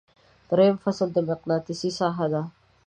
دریم فصل د مقناطیس ساحه ده.